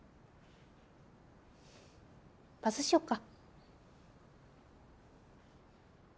パスしよっか？